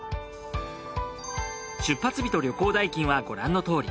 出発日と旅行代金はご覧のとおり。